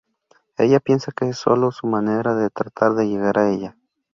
Ella piensa que es sólo su manera de tratar de llegar a ella.